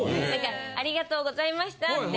「ありがとうございました」って。